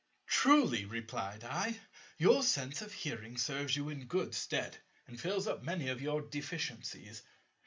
"Truly," replied I, "your sense of hearing serves you in good stead, and fills up many of your deficiencies.